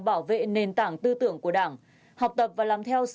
bảo vệ nền tảng tư tưởng của đảng học tập và làm theo